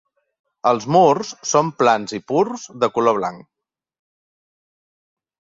Els murs són plans i purs de color blanc.